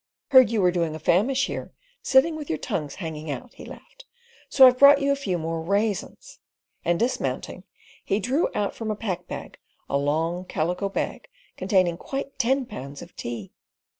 "Heard you were doing a famish here, sitting with your tongues hanging out," he laughed, "so I've brought you a few more raisins." And dismounting, he drew out from a pack bag a long calico bag containing quite ten pounds of tea.